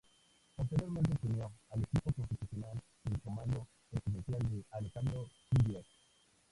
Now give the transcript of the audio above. Posteriormente se unió al equipo constitucional del comando presidencial de Alejandro Guillier.